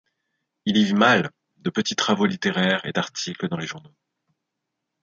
Il y vit mal, de petits travaux littéraires et d'articles dans les journaux.